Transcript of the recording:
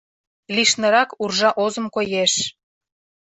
Лишнырак уржа озым коеш.